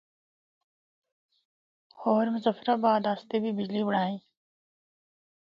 ہور مظفرآباد اسطے بھی بجلی بنڑائی۔